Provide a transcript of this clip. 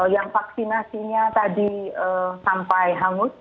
yang vaksinasinya tadi sampai hangus